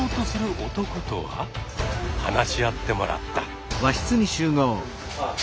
話し合ってもらった。